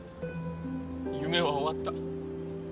夢は終わった。